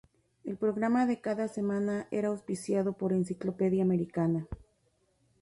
El programa de cada semana era auspiciado por Encyclopedia Americana.